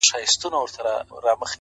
o سترگه وره مي په پت باندي پوهېږي،